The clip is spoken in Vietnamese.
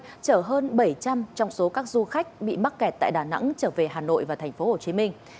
hà nội đã thực hiện ba chuyến bay chở hơn bảy trăm linh trong số các du khách bị mắc kẹt tại đà nẵng trở về hà nội và tp hcm